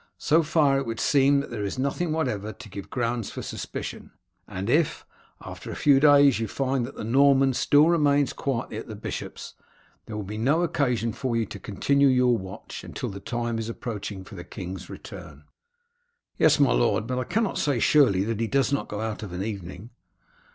So far it would seem that there is nothing whatever to give grounds for suspicion, and if, after a few days, you find that the Norman still remains quietly at the bishop's, there will be no occasion for you to continue your watch until the time is approaching for the king's return." "Yes, my lord. But I cannot say surely that he does not go out of an evening."